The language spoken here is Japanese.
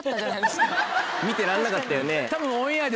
見てらんなかったよね。